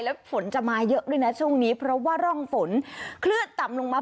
แล้วฝนจะมาเยอะด้วยนะช่วงนี้เพราะว่าร่องฝนคลื่นต่ำลงมา